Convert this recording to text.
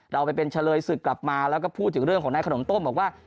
เราไปเป็นเฉลยศึกกลับมาแล้วก็พูดถึงเรื่องของนายขนมต้มบอกว่า